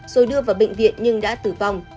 rồi đưa vào bệnh viện nhưng đã tử vong